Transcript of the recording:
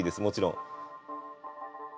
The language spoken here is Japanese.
もちろん。